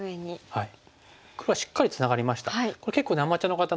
はい。